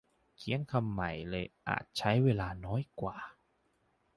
เขียนคำใหม่เลยอาจใช้เวลาน้อยกว่า